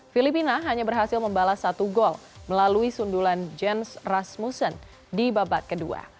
filipina hanya berhasil membalas satu gol melalui sundulan james rasmussen di babak kedua